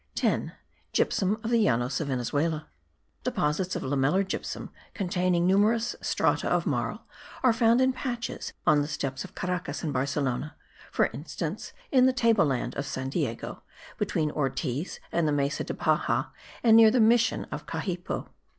10. GYPSUM OF THE LLANOS OF VENEZUELA. Deposits of lamellar gypsum, containing numerous strata of marl, are found in patches on the steppes of Caracas and Barcelona; for instance, in the table land of San Diego, between Ortiz and the Mesa de Paja; and near the mission of Cachipo.